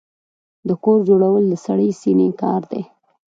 د کور جوړول د سړې سينې کار دی.